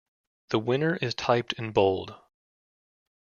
The Winner is typed in bold.